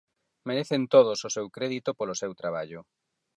Merecen todos o seu crédito polo seu traballo.